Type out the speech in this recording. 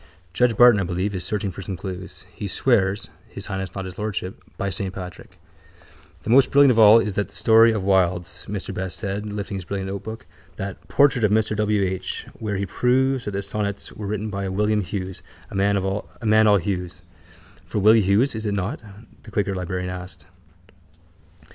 Judge Barton, I believe, is searching for some clues. He swears (His Highness not His Lordship) by saint Patrick. —The most brilliant of all is that story of Wilde's, Mr Best said, lifting his brilliant notebook. That Portrait of Mr W. H. where he proves that the sonnets were written by a Willie Hughes, a man all hues. —For Willie Hughes, is it not? the quaker librarian asked.